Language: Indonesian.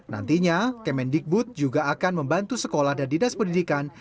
nantinya kemendikbud juga akan membantu sekolah dan dinas pendidikan